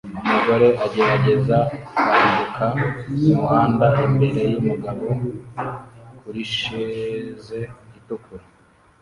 Umugore agerageza kwambuka umuhanda imbere yumugabo kurisheze itukura